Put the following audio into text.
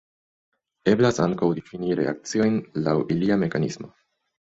Eblas ankaŭ difini reakciojn laŭ ilia mekanismo.